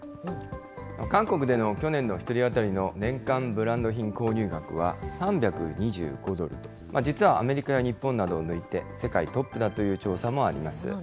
韓国での去年の１人当たりの年間ブランド品購入額は、３２５ドルで、実はアメリカや日本などを抜いて、世界トップだという調査もあります。